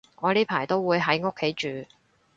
我呢排都會喺屋企住